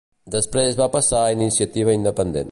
Després va passar a Iniciativa Independent.